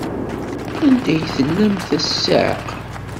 Anda ay tellamt a ssiɛqa?